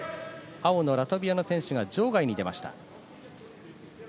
青のラトビアの選手が場外に出ました。